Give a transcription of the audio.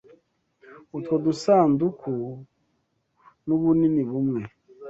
Utwo dusanduku nubunini bumwe.